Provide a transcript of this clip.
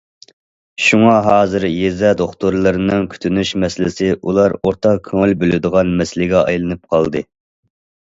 شۇڭا ھازىر يېزا دوختۇرلىرىنىڭ كۈتۈنۈش مەسىلىسى ئۇلار ئورتاق كۆڭۈل بۆلىدىغان مەسىلىگە ئايلىنىپ قالدى.